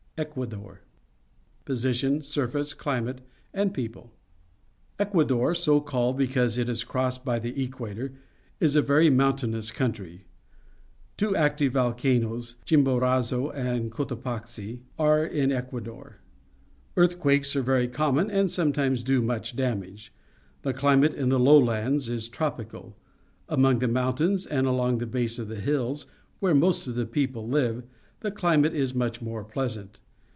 ECUADOR Position, Surface, Climate, and People. — Ecuador, so called because it is crossed by the equator, is a very mountainous country. Two active volcanoes — Cliitnborazo and Coto paxi — are in Ecuador. Earthquakes are very common and sometimes do much dam age. The climate in the lowlands is tropical. Among the mountains and along the base of the hills, where most of the people Uve, the cfimate is much more pleasant.